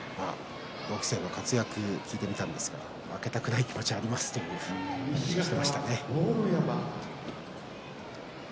同期生の活躍を聞いてみたんですが負けたくないという話をしていました。